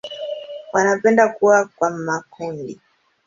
Wanapenda kuwa kwa makundi.